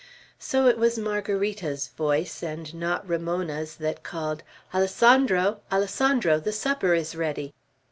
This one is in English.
So it was Margarita's voice, and not Ramona's, that called "Alessandro! Alessandro! the supper is ready."